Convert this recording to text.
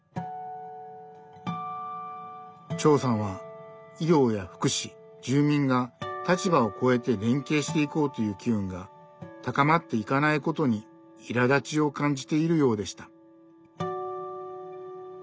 長さんは医療や福祉住民が立場をこえて連携していこうという機運が高まっていかないことにいらだちを感じているようでした。